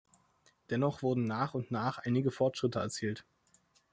Dennoch wurden nach und nach einige Fortschritte erzielt.